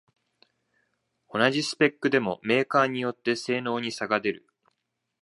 同じスペックでもメーカーによって性能に差が出る